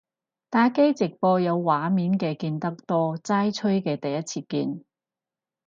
打機直播有畫面嘅見得多，齋吹嘅第一次見